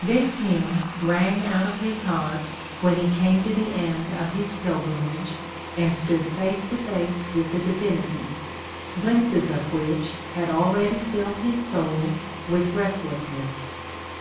This hymn rang out of his heart when he came to the end of his pilgrimage and stood face to face with the Divinity, glimpses of which had already filled his soul with restlessness.